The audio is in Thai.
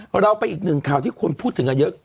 เราไปอีกหนึ่งข่าวที่คนพูดถึงกันเยอะ